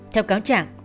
theo cáo chẳng